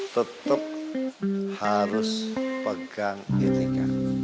tetap harus pegang jiting